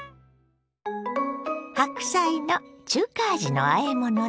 白菜の中華味のあえものです。